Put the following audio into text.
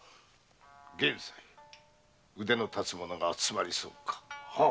玄斉腕の立つ者が集まりそうか。